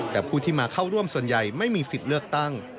แต่ผู้ที่มาเข้าร่วมส่วนใหญ่ไม่มีสิทธิ์เลือกตั้ง